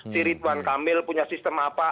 siritwan kamil punya sistem apa